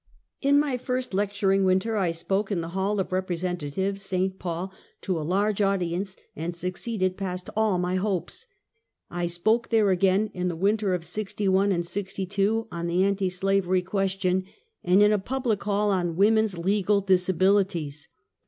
In my first lecturing winter I spoke in the Hall of Representatives, St. Paul, to a large audience, and suc ceeded past all my hopes. I spoke there again in the winter of '61 and '62, on the anti slavery question, and in a public hall on " Woman's Legal Disabilities."